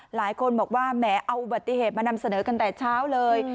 หลายคนบอกว่าแหมเอาอุบัติเหตุมานำเสนอกันแต่เช้าเลย